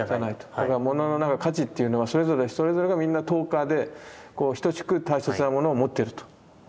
モノのなんか価値っていうのはそれぞれそれぞれがみんな等価で等しく大切なものを持ってると。